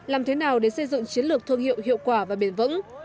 làm thế nào để xây dựng chiến lược thương hiệu hiệu quả và bền vững